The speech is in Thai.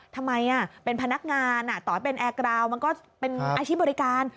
ทำไมเป็นพนักงานต่อให้เป็นแอร์กราวมันก็เป็นอาชีพบริการ